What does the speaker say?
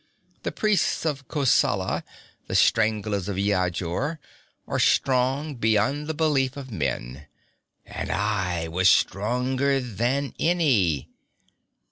The priests of Kosala, the stranglers of Yajur, are strong beyond the belief of men. And I was stronger than any.